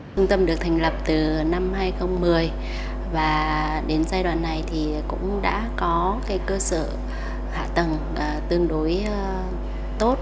trung tâm được thành lập từ năm hai nghìn một mươi và đến giai đoạn này thì cũng đã có cơ sở hạ tầng tương đối tốt